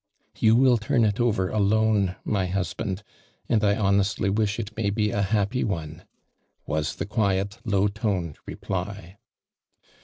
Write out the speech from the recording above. " You will turn it over alone, my husband, and I honestly wish it may be a happy one 1" was the quiet, low toned reply.